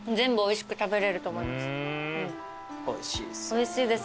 おいしいです。